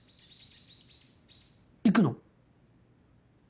行くの？